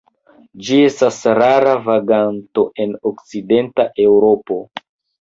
Ĝi estas rara vaganto en okcidenta Eŭropo.